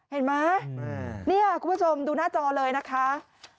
เห็นไหมนี่คุณผู้ชมดูหน้าจอเลยนะคะ